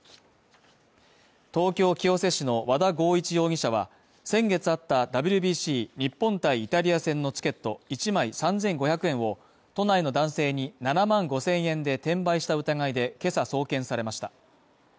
東京清瀬市の和田剛一容疑者は、先月あったＷＢＣ日本対イタリア戦のチケット１枚３５００円を都内の男性に７万５０００円で転売した疑いでけさ送検されました。